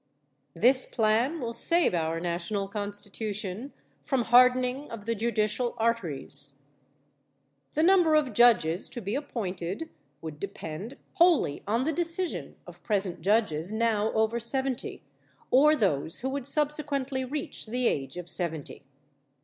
This plan will save our national Constitution from hardening of the judicial arteries. The number of judges to be appointed would depend wholly on the decision of present judges now over seventy, or those who would subsequently reach the age of seventy.